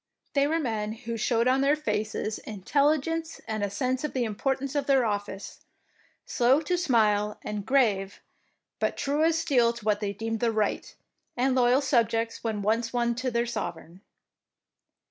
They were men who showed on their faces intelligence and a sense of the importance of their office, slow to smile and grave, but true as steel to what they deemed the right, and loyal subjects when once won to their sovereign.